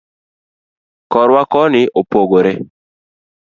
korwa koni opogre